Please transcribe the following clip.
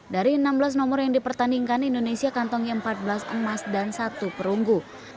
dari enam belas nomor yang dipertandingkan indonesia kantongi empat belas emas dan satu perunggu